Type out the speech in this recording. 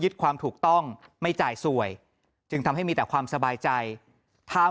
ความถูกต้องไม่จ่ายสวยจึงทำให้มีแต่ความสบายใจถ้า